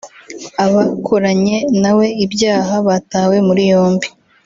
Abakoranye nawe ibyaha batawe muri yombi